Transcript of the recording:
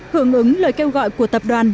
hưởng ứng lời kêu gọi của tập đoàn